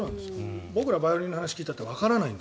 僕らバイオリンの話を聞いてもわからない。